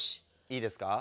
いいですか。